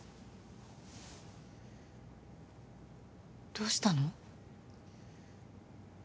どうしたの？